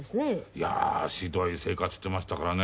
いやあひどい生活してましたからね。